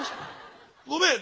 ごめん！